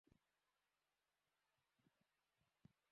সেখানে তোমাকে সপ্তাহের তিন দিন শেখাবে এবং সাথে গ্রুপ সেশনও আছে।